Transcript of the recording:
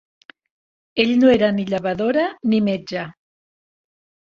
Ell no era ni llevadora ni metge